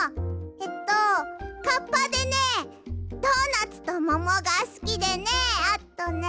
えっとカッパでねドーナツとももがすきでねあとね。